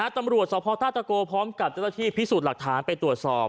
ตำรวจสภธาตะโกพร้อมกับเจ้าหน้าที่พิสูจน์หลักฐานไปตรวจสอบ